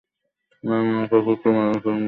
Ma'am, আমাকেও কিছু medicine দিন।